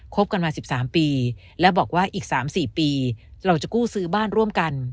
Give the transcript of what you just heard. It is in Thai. บกันมา๑๓ปีและบอกว่าอีก๓๔ปีเราจะกู้ซื้อบ้านร่วมกัน